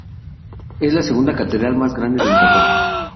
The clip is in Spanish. Es la segunda catedral más grande de Inglaterra.